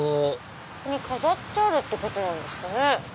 飾ってあるってことなんですかね。